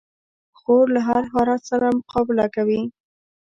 خور له هر حالت سره مقابله کوي.